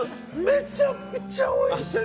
めちゃくちゃおいしい！